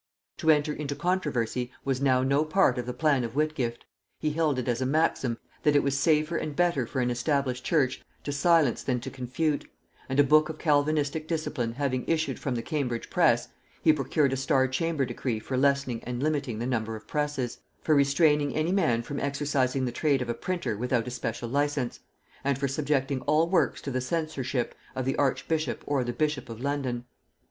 To enter into controversy was now no part of the plan of Whitgift; he held it as a maxim, that it was safer and better for an established church to silence than to confute; and a book of Calvinistic discipline having issued from the Cambridge press, he procured a Star chamber decree for lessening and limiting the number of presses; for restraining any man from exercising the trade of a printer without a special license; and for subjecting all works to the censorship, of the archbishop or the bishop of London.